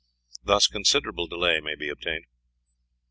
Thus considerable delay may be obtained.